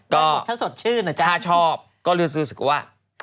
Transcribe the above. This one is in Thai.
ถ้าชอบก็รู้สึกว่า